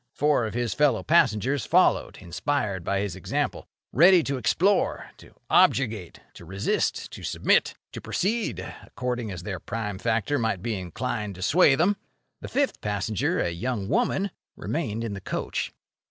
Four of his fellow passengers followed, inspired by his example, ready to explore, to objurgate, to resist, to submit, to proceed, according as their prime factor might be inclined to sway them. The fifth passenger, a young woman, remained in the coach.